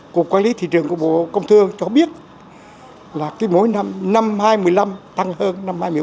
cục quản lý thị trường của bộ công thương cho biết là mỗi năm năm hai mươi năm tăng hơn năm hai mươi bốn